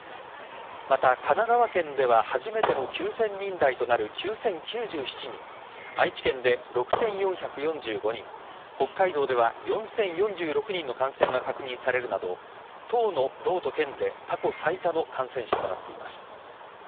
また、神奈川県では初めての９０００人台となる９０９７人愛知県で６４４５人北海道では４０４６人の感染が確認されるなど１０の道と県で過去最多の感染者となっています。